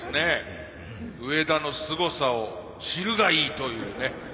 「上田のすごさを知るがいい！」というね。